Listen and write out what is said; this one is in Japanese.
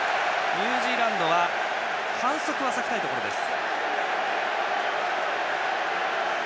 ニュージーランドは反則は避けたいところです。